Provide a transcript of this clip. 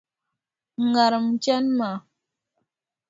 N ŋariŋ n chani maa!”.